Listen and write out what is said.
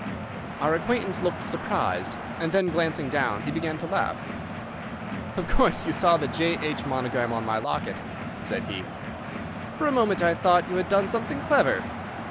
Our acquaintance looked surprised, and then, glancing down, he began to laugh. "Of course you saw the 'J.H.' monogram on my locket," said he. "For a moment I thought you had done something clever.